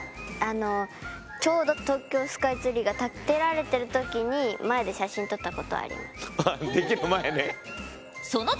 あのちょうど東京スカイツリーが建てられてる時に前で写真撮ったことあります。